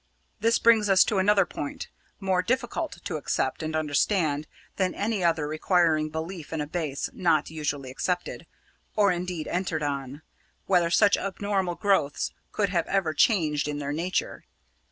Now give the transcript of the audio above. "This brings us to another point, more difficult to accept and understand than any other requiring belief in a base not usually accepted, or indeed entered on whether such abnormal growths could have ever changed in their nature.